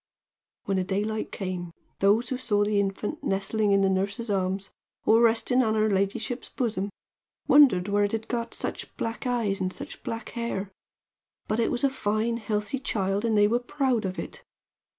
"When the daylight came, those who saw the infant nestling in the nurse's arms, or resting on her ladyship's bosom, wondered where it got such black eyes and such black hair; but it was a fine, healthy child, and they were proud of it.